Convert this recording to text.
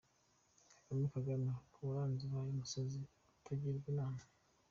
Kagame, Kagame, koko uranze ubaye umusazi utagirwa inama???